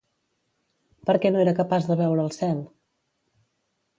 Per què no era capaç de veure el cel?